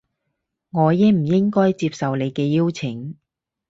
我應唔應該接受你嘅邀請